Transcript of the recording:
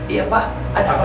iya pak ada apa pak